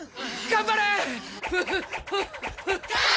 頑張れー！